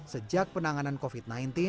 sejak penanganan covid sembilan belas